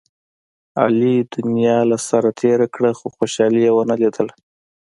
علي دنیا له سره تېره کړه، خو خوشحالي یې و نه لیدله.